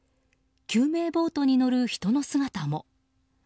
救命ボートに乗る人の姿も。